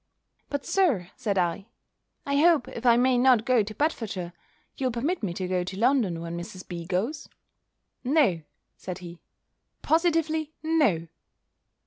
"But, Sir," said I, "I hope, if I may not go to Bedfordshire, you'll permit me to go to London, when Mrs. B. goes?" "No," said he, "positively no!"